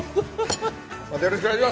またよろしくお願いします！